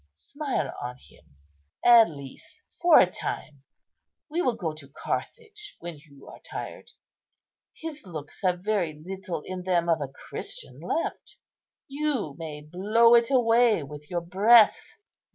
Smile on him at least for a time; we will go to Carthage when you are tired. His looks have very little in them of a Christian left; you may blow it away with your breath."